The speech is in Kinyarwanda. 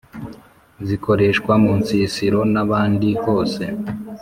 zikoreshwa munsisiro n’ahandi hose